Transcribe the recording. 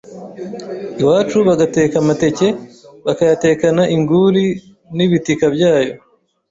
iwacu bagateka amateke, bakayatekana inguri n’ibitika byayo,